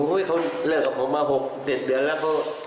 เขาเลิกกับผมมา๖๗เดือนแล้ว